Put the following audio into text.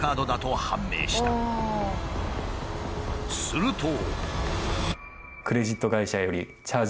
すると。